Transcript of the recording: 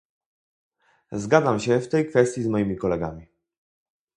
Zgadzam się w tej kwestii z moimi kolegami